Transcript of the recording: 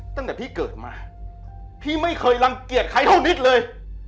ตั้งแต่พี่เกิดมาพี่ไม่เคยรังเกียจใครเท่านิดเลย